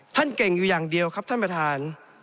เก่งอยู่อย่างเดียวครับท่านประธาน